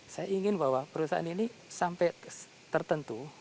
saya ingin bahwa perusahaan ini sampai tertentu